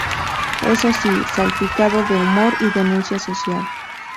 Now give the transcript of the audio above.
Eso sí, salpicado de humor y denuncia social.